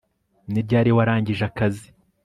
ni ryari warangije akazi